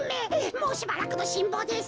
もうしばらくのしんぼうです。